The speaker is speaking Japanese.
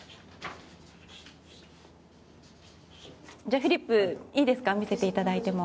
フリップいいですか見せていただいても。